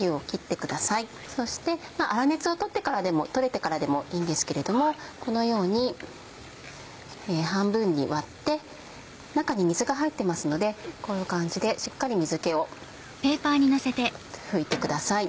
湯を切ってくださいそして粗熱を取ってからでも取れてからでもいいんですけれどもこのように半分に割って中に水が入ってますのでこういう感じでしっかり水気を拭いてください。